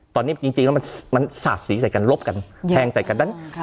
ตอนนี้จริงแล้วมันสาดสีใส่กันลบกันแทงใส่กันด้าน